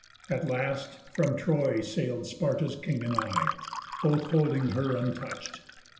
At last, from Troy sail'd Sparta's king and I, Both holding her untouch'd.